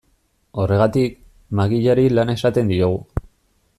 Horregatik, magiari lana esaten diogu.